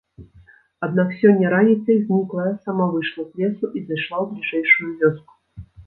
Аднак сёння раніцай зніклая сама выйшла з лесу і зайшла ў бліжэйшую вёску.